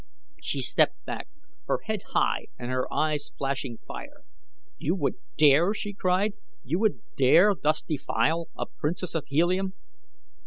She stepped back, her head high and her eyes flashing fire. "You would dare?" she cried. "You would dare thus defile a princess of Helium?"